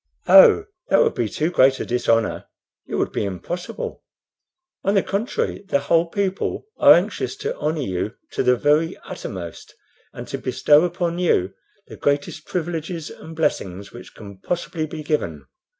"Oh, that would be too great a dishonor; it would be impossible. On the contrary, the whole people are anxious to honor you to the very uttermost, and to bestow upon you the greatest privileges and blessings which can possibly be given.